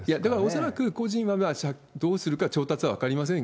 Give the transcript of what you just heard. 恐らく個人がどうするか、調達は分かりません。